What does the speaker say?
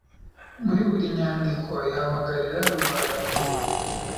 muri buri nyandiko ihamagarira rubanda kugura